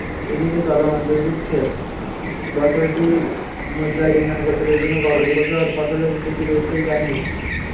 এদিকে চলমান দুর্ভিক্ষের বৎসরটি মুযায়না গোত্রের জন্য গবাদিপশু আর ফসলের কিছুই রেখে যায়নি।